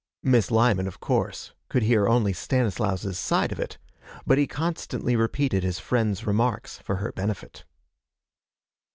Miss Lyman, of course, could hear only Stanislaus's side of it, but he constantly repeated his friend's remarks for her benefit.